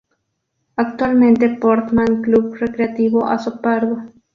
Actualmente Portman Club Recreativo Azopardo.